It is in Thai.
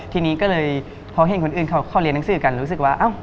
ทีนี้ก็เลยพอเห็นคนอื่นเขาเรียนหนังสือกันรู้สึกว่า